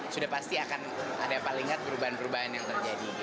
sudah pasti akan ada palingat perubahan perubahan yang terjadi